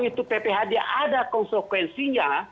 itu pphn ada konsekuensinya